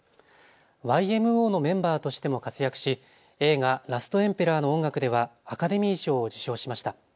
ＹＭＯのメンバーとしても活躍し映画、ラストエンペラーの音楽ではアカデミー賞を受賞しました。